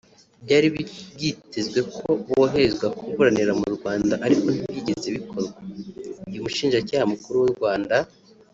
Byari byitezwe ko boherezwa kuburanira mu Rwanda ariko ntibyigeze bikorwa ibyo Umushinjacyaha Mukuru w’u Rwanda